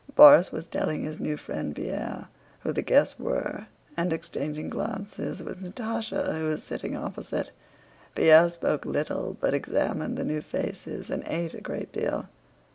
Borís was telling his new friend Pierre who the guests were and exchanging glances with Natásha, who was sitting opposite. Pierre spoke little but examined the new faces, and ate a great deal.